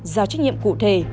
giao trách nhiệm cụ thể